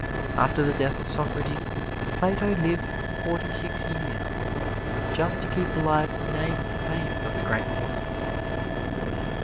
After the death of Socrates, Plato lived for forty six years, just to keep alive the name and fame of the great philosopher.